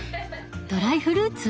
ドライフルーツ？